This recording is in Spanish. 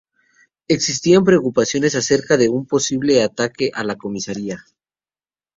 Existían preocupaciones a cerca de un posible ataque a la comisaría.